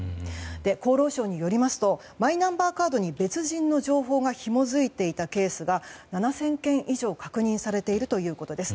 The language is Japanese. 厚労省によりますとマイナンバーカードに別人の情報がひもづいていたケースが７０００件以上確認されているということです。